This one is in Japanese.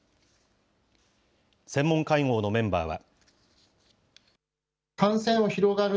専門会合のメンバーは。